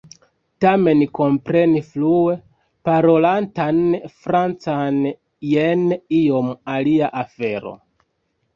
Tamen kompreni flue parolatan Francan jen iom alia afero.